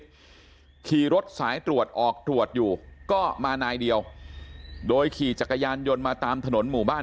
ขี่รถสายตรวจออกตรวจอยู่ก็มานายเดียวโดยขี่จักรยานยนต์มาตามถนนหมู่บ้าน